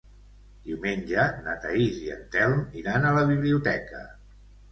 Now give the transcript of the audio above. Diumenge na Thaís i en Telm iran a la biblioteca.